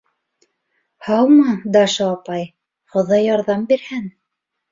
— Һаумы, Даша апай, Хоҙай ярҙам бирһен!